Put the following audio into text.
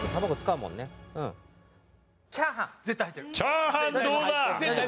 チャーハンどうだ？